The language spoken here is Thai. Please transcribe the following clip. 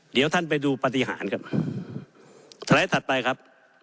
เดี๋ยวท่านไปดูปฏิหารครับสไลด์ถัดไปครับ